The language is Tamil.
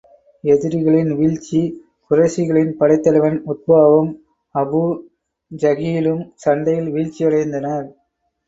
எதிரிகளின் வீழ்ச்சி குறைஷிகளின் படைத்தலைவன் உத்பாவும், அபூஜஹீலும், சண்டையில் வீழ்ச்சியடைந்தனர்.